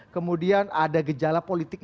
kemudian ada gejala politiknya